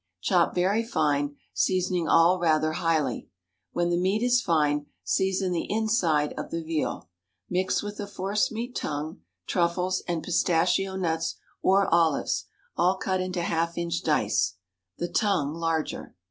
Chop very fine, seasoning all rather highly. When the meat is fine, season the inside of the veal. Mix with the force meat tongue, truffles, and pistachio nuts or olives, all cut into half inch dice (the tongue larger).